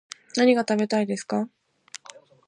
何が食べたいですか